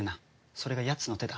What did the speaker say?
それがやつの手だ。